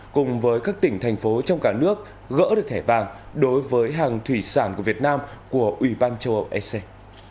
cùng với các tỉnh thành phố trong cả nước gỡ được thẻ vàng đối với hàng thủy sản của việt nam của ủy ban châu âu ec